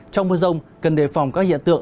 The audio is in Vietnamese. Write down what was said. trong mưa rông cần đề phòng các hiện tượng